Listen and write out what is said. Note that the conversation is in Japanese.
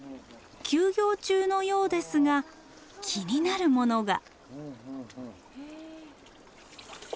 休業中のようですが気になるものが。